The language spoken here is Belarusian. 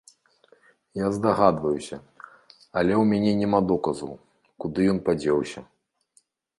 Я здагадваюся, але ў мяне няма доказаў, куды ён падзеўся.